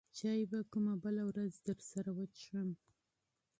چاى به کومه بله ورځ درسره وڅکم.